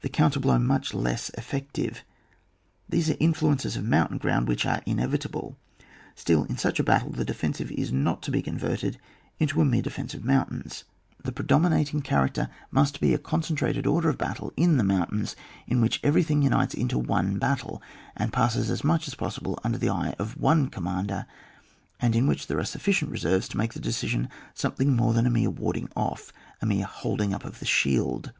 counter blow much less effective. These are influences of mountain g^oimd which are inevitable; still, in such a battle the defensive is not to be converted into a mere defence of mountains; the predominating character must be a con centrated order of battle in the moun tains, in which everything unites into one battle, and passes as much as possible under the eye of one commander, and in which there are sufficient reserves to make the decision something more than a mere warding off, a mere holdiug up of the shield.